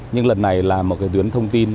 nhưng lần này là một tuyến thông tin